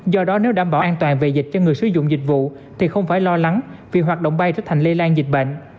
do đó nếu đảm bảo an toàn về dịch cho người sử dụng dịch vụ thì không phải lo lắng vì hoạt động bay trở thành lây lan dịch bệnh